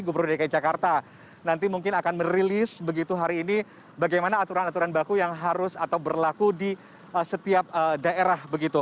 gubernur dki jakarta nanti mungkin akan merilis begitu hari ini bagaimana aturan aturan baku yang harus atau berlaku di setiap daerah begitu